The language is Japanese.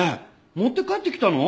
持って帰ってきたの？